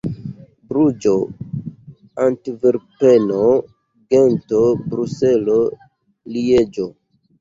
Bruĝo, Antverpeno, Gento, Bruselo, Lieĝo.